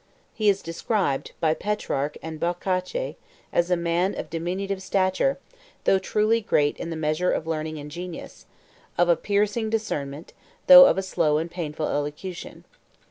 87 He is described, by Petrarch and Boccace, 88 as a man of diminutive stature, though truly great in the measure of learning and genius; of a piercing discernment, though of a slow and painful elocution.